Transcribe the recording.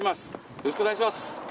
よろしくお願いします。